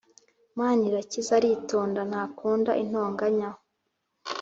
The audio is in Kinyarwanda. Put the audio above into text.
manirakiza aritonda ntakunda intonganya